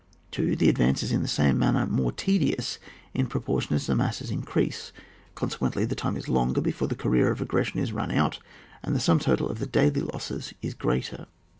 2. The advance is in the same manner more tedious in proportion as the masses increase, consequently, the time is longer before the career of aggression is run out, and the sum total of the daily losses is greater.